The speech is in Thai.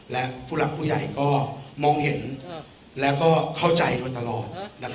และผู้รักผู้ใหญ่ก็มองเห็นและเข้าใจตลอด